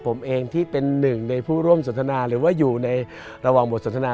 ผมเองที่เป็นหนึ่งในผู้ร่วมสนทนาหรือว่าอยู่ในระหว่างบทสนทนา